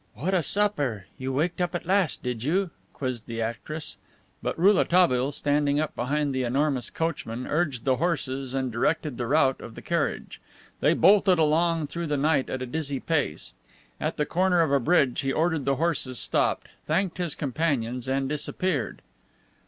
"What a supper! You waked up at last, did you?" quizzed the actress. But Rouletabille, standing up behind the enormous coachman, urged the horses and directed the route of the carriage. They bolted along through the night at a dizzy pace. At the corner of a bridge he ordered the horses stopped, thanked his companions and disappeared.